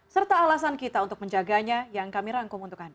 serta alasan kita untuk menjaganya yang kami rangkum untuk anda